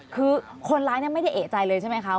คือคนร้ายไม่ได้เอกใจเลยใช่ไหมคะ